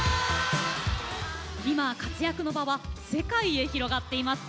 今、活躍の場は世界へ広がっています。